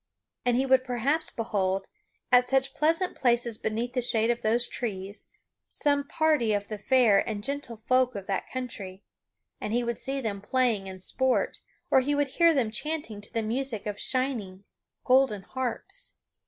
And he would perhaps behold, at such pleasant places beneath the shade of those trees, some party of the fair and gentle folk of that country; and he would see them playing in sport, or he would hear them chanting to the music of shining golden harps.